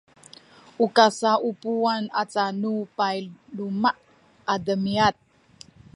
u kasaupuwan aca nu payluma’ a demiad